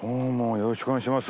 よろしくお願いします。